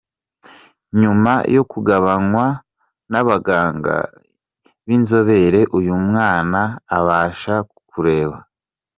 Nyuma yo kubagwa n’abaganga bi’inzobere, uyu mwana abasha kureba.